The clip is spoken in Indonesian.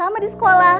aku mau ke gelas